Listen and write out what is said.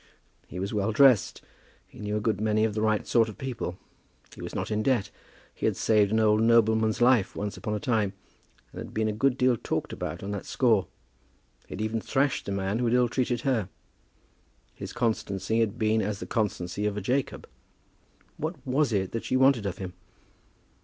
He was well dressed. He knew a good many of the right sort of people. He was not in debt. He had saved an old nobleman's life once upon a time, and had been a good deal talked about on that score. He had even thrashed the man who had ill treated her. His constancy had been as the constancy of a Jacob! What was it that she wanted of him?